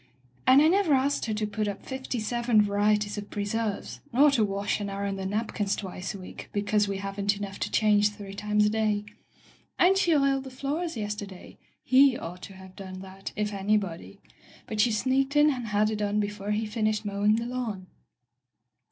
And I never asked her to put up fifty seven varieties of preserves, nor to wash and iron the napkins twice a week, because we haven't enough to change three times a day. And she oiled the floors yester day. He ought to have done that, if any body. But she sneaked in and had it done before he finished mowing the lawn."